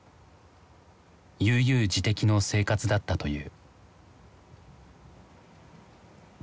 悠々自適の生活だったという。